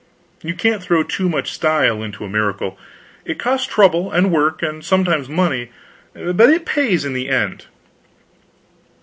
You can't throw too much style into a miracle. It costs trouble, and work, and sometimes money; but it pays in the end.